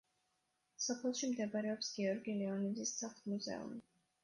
სოფელში მდებარეობს გიორგი ლეონიძის სახლ-მუზეუმი.